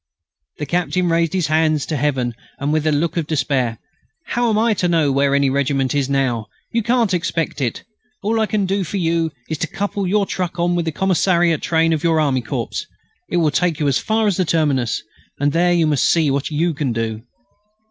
The captain raised his hands to Heaven with a look of despair: "How am I to know where any regiment is now? You can't expect it. All I can do for you is to couple your truck on to the commissariat train of your army corps. It will take you as far as the terminus, and there you must see what you can do."